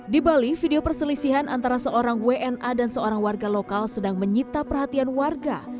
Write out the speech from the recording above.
di bali video perselisihan antara seorang wna dan seorang warga lokal sedang menyita perhatian warga